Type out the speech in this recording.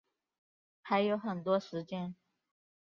还有很多时间